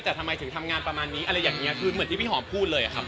แต่ทำไมถึงทำงานประมาณนี้อะไรอย่างเงี้ยคือเหมือนที่พี่หอมพูดเลยอะครับ